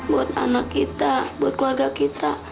buat anak kita buat keluarga kita